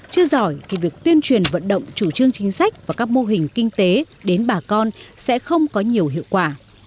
chưa giỏi thì việc tuyên truyền vận động chủ trương chính sách và các mô hình kinh tế đến bà con sẽ không có nhiều hiệu quả